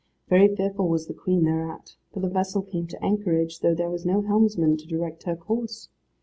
Very fearful was the Queen thereat, for the vessel came to anchorage, though there was no helmsman to direct her course.